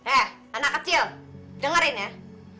eh anak kecil dengerin ya